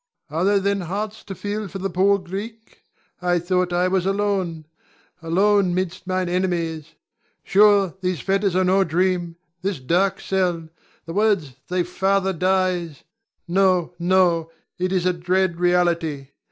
Are there then hearts to feel for the poor Greek? I had thought I was alone, alone 'mid mine enemies. Sure, those fetters are no dream, this dark cell, the words "Thy father dies!" No, no! it is a dread reality.